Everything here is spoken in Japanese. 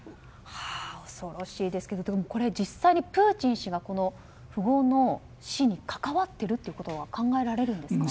恐ろしいですが実際にプーチン氏がこの富豪の死に関わっているということは考えられるんですか。